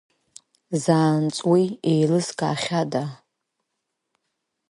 Заанаҵ уи еилызкаахьада?